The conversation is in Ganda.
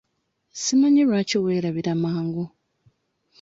Simanyi lwaki weerabira mangu?